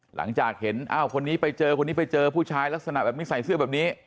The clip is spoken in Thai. หลังจากเห็นอ้าวคนนี้ไปเจอคนนี้ไปเจอผู้ชายลักษณะแบบนี้ใส่เสื้อแบบนี้